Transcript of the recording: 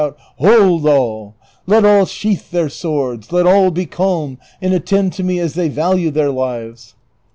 out, " Hold all, let all sheathe their swords, let all be calm and attend to me as they value their lives